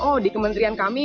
oh di kementerian kami